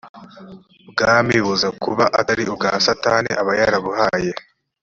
bwami buza kuba atari ubwa satani aba yarabuhaye